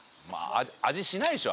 味しないでしょ。